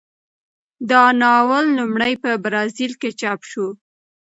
دا ناول لومړی په برازیل کې چاپ شو.